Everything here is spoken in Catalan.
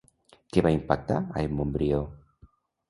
Què va impactar a en Montbrió?